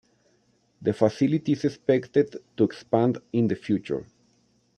The facility is expected to expand in the future.